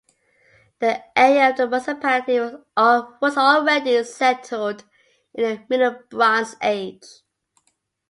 The area of the municipality was already settled in the middle Bronze Age.